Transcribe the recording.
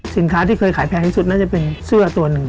ที่เคยขายแพงที่สุดน่าจะเป็นเสื้อตัวหนึ่ง